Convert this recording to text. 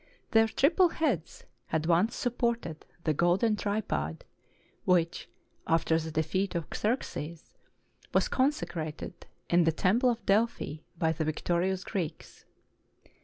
Their triple heads had once sup ported the golden tripod which, after the defeat of Xerxes, was consecrated in the temple of Delphi by the victorious Greeks.